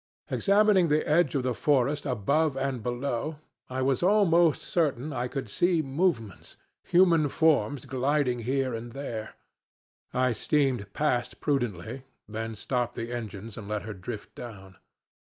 Examining the edge of the forest above and below, I was almost certain I could see movements human forms gliding here and there. I steamed past prudently, then stopped the engines and let her drift down.